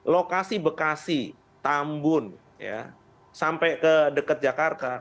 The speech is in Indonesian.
lokasi bekasi tambun sampai ke dekat jakarta